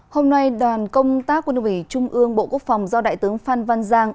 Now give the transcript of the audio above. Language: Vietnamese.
hôm nay đoàn công tác quân ủy trung ương bộ quốc phòng do đại tướng phan văn giang